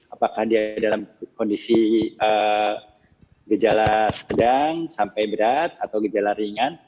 apakah dia dalam kondisi gejala sedang sampai berat atau gejala ringan